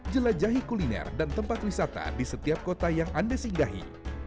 jelajahi kuliner dan tempat wisata di setiap kota yang anda singgahi